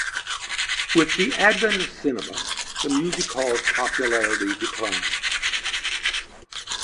With the advent of cinema, the music hall's popularity declined.